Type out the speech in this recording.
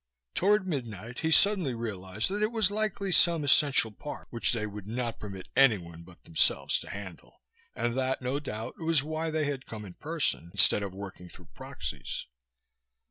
Toward midnight he suddenly realized that it was likely some essential part which they would not permit anyone but themselves to handle, and that, no doubt, was why they had come in person, instead of working through proxies.